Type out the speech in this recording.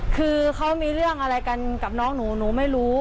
คือเขามีเรื่องอะไรกันกับน้องหนูหนูไม่รู้